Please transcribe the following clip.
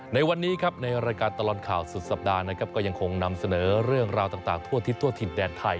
ในวันนี้ครับในรายการตลอดข่าวสุดสัปดาห์นะครับก็ยังคงนำเสนอเรื่องราวต่างทั่วทิศทั่วถิ่นแดนไทย